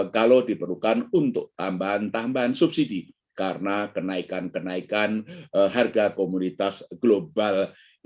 kalau diperlukan untuk tambahan tambahan subsidi karena kenaikan kenaikan harga komoditas global